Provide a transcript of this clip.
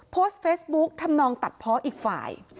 โพสต์เฟซบุ๊กทำนองตัดเพาะอีกฝ่าย